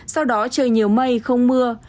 sau đó trời nhiều mây không mưa